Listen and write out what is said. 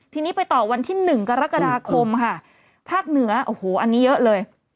ทีนี้ไปต่อวันที่๑กรกฎาคมค่ะภาคเหนือโอ้โหอันนี้เยอะเลย